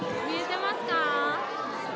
見えてますか？